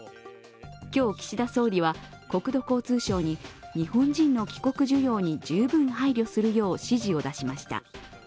今日、岸田総理は国土交通省に日本人の帰国需要に十分配慮するよう指示を出しました。